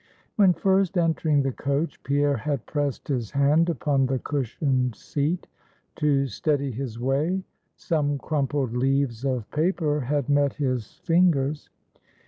When first entering the coach, Pierre had pressed his hand upon the cushioned seat to steady his way, some crumpled leaves of paper had met his fingers.